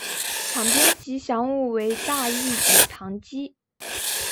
场边吉祥物为大义与唐基。